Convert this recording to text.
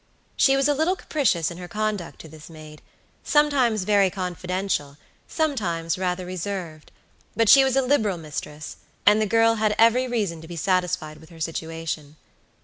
She was a little capricious in her conduct to this maidsometimes very confidential, sometimes rather reserved; but she was a liberal mistress, and the girl had every reason to be satisfied with her situation.